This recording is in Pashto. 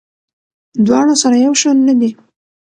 دواړه سره یو شان نه دي.